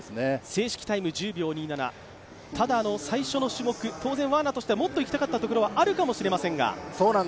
正式タイム１０秒２７、ただ最初の種目当然ワーナーとしては、もっといきたかったところもあるかもしれませんが。